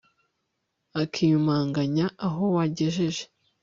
akiyumanganya aho wagejeje